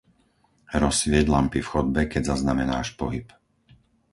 Rozsvieť lampy v chodbe, keď zaznamenáš pohyb.